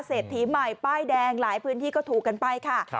เศรษฐีใหม่ป้ายแดงหลายพื้นที่ก็ถูกกันไปค่ะ